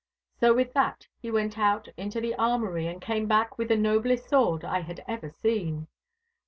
So with that he went out into the armoury, and came back with the noblest sword I had ever seen.